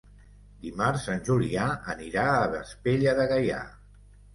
Dimarts en Julià anirà a Vespella de Gaià.